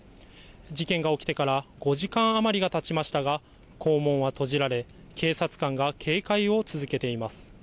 事件が起きてから５時間余りがたちましたが校門は閉じられ、警察官が警戒を続けています。